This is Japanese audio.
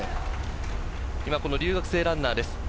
留学生ランナーです。